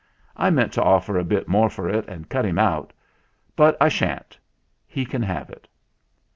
I meant to offer a bit more for it and cut him out ; but I sha'n't. He can have it."